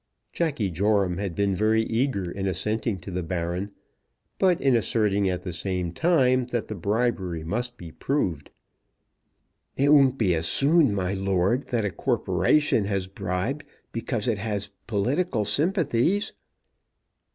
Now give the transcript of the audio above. Jacky Joram had been very eager in assenting to the Baron, but in asserting at the same time that the bribery must be proved. "It won't be assumed, my lord, that a corporation has bribed because it has political sympathies."